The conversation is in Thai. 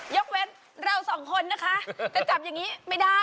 ยกเวลาเรา๒คนนะคะแต่จับอย่างนี้ไม่ได้